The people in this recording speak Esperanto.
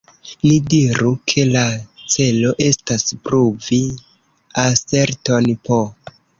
Ni diru, ke la celo estas pruvi aserton "p".